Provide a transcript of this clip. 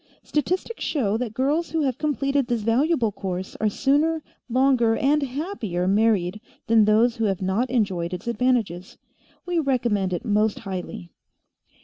Statistics show that girls who have completed this valuable course are sooner, longer, and happier married than those who have not enjoyed its advantages. We recommend it most highly.